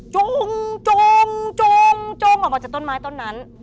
จงจงจงจงออกมาจากต้นไม้ต้นนั้น